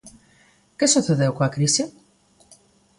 ¿Que sucedeu coa crise?